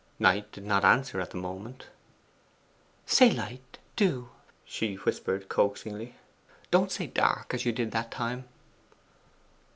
Knight did not answer at the moment. 'Say light, do!' she whispered coaxingly. 'Don't say dark, as you did that time.